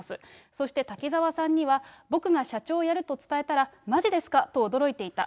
そして滝沢さんには、僕が社長をやると伝えたら、まじですか！と驚いていた。